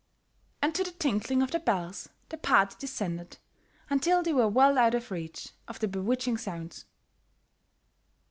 And to the tinkling of the bells, the party descended until they were well out of reach of the bewitching sounds.